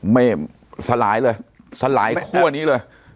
ไม่สลายเลยสลายคั่วนี้เลย